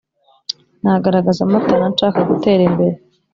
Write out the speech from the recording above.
nagaragaza mpatana nshaka gutera imbere